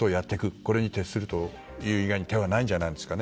これに徹する以外に手はないんじゃないですかね